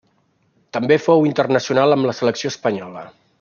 També fou internacional amb la selecció espanyola.